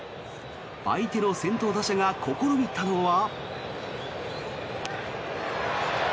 相手の先頭打者が試みたのは。